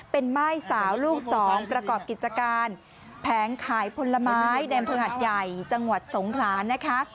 เป็นม่ายสาวลูกสองประกอบกิจการแผงขายผลไม้ในอำเภอหัดใหญ่จังหวัดสงครานนะคะ